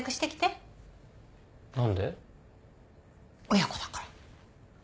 親子だから。